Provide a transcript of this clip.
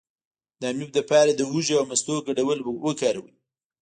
د امیب لپاره د هوږې او مستو ګډول وکاروئ